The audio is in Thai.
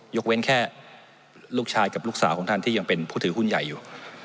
เว้นแค่ลูกชายกับลูกสาวของท่านที่ยังเป็นผู้ถือหุ้นใหญ่อยู่